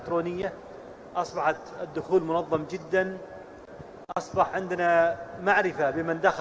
pemerintah arab saudi menerima pelayanan digitalisasi jemaah